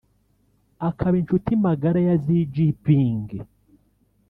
akaba inshuti magara ya Xi Jinping